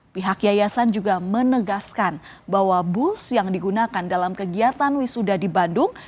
pihak yayasan juga menegaskan bahwa bus yang digunakan dalam kegiatan wisuda di bandung